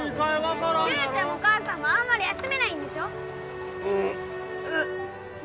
じゃろ脩ちゃんも母さんもあんまり休めないんでしょうっうっ